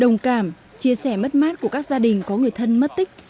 đồng cảm chia sẻ mất mát của các gia đình có người thân mất tích